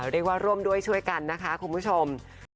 เรียกว่าร่วมด้วยช่วยกันนะคะคุณผู้ชม